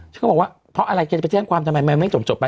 ก็บอกว่าเพราะอะไรแกจะไปแจ้งความทำไมมันไม่จบไป